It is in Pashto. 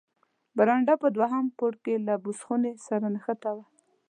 برنډه په دوهم پوړ کې له بوس خونې سره نښته وه.